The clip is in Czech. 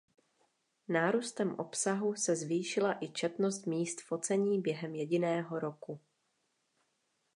Nárůstem obsahu se zvýšila i četnost míst focení během jediného roku.